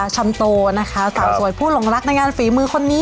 ชำโตนะคะสาวสวยผู้หลงรักในงานฝีมือคนนี้